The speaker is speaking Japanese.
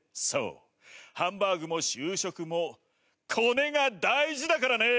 そうハンバーグも就職もコネが大事だからね。